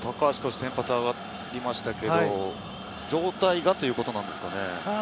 今日、高橋が先発に上がりましたけれど、状態がということですか？